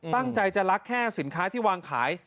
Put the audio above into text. ตั้งใจจะรักแค่สินค้าที่วางขาย